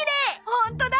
ホントだ！